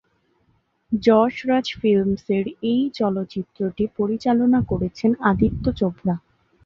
যশ রাজ ফিল্মস-এর এই চলচ্চিত্রটি পরিচালনা করেছেন আদিত্য চোপড়া।